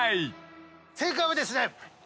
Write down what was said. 正解はですね。